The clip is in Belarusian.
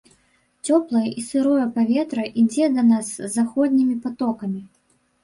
Цёплае і сырое паветра ідзе да нас з заходнімі патокамі.